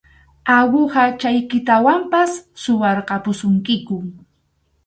Awuhachaykitawanpas suwarqapusunkiku.